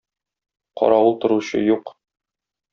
Каравыл торучы юк.